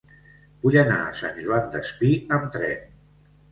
Vull anar a Sant Joan Despí amb tren.